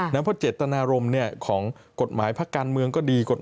เพราะเจตนารมณ์ของกฎหมายพักการเมืองก็ดีกฎหมาย